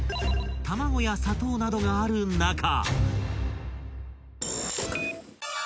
［卵や砂糖などがある中］